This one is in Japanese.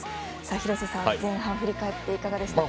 廣瀬さん、前半振り返っていかがでしたか？